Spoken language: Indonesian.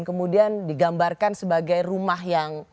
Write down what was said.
kamu namakan sebagai rumah yang